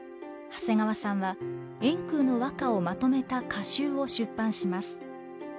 長谷川さんは円空の和歌をまとめた歌集を出版します。